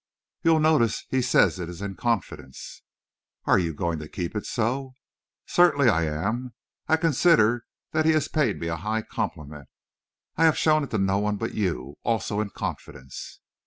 "You'll notice he says it is in confidence." "And you're going to keep it so?" "Certainly I am; I consider that he has paid me a high compliment. I have shown it to no one but you also in confidence."